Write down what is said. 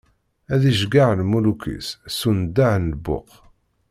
Ad iceggeɛ lmuluk-is s undah n lbuq.